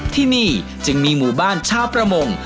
ที่นี่จึงมีหมู่บ้านชาวประมง